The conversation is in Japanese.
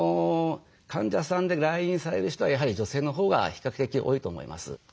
患者さんで来院される人はやはり女性のほうが比較的多いと思います。